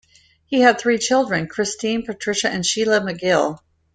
He had three children, Christine, Patricia and Sheila MacGill.